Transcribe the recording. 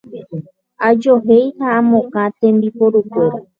Ajohéi ha amokã tembiporukuéra.